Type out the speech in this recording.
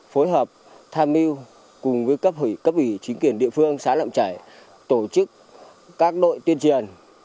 phối hợp tham miu cùng với cấp ủy chính quyền địa phương xã nộng chảy tổ chức các đội tuyên truyền